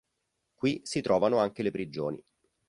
Qui si trovano anche le prigioni.